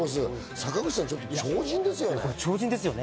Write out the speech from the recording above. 坂口さん、超人ですよね。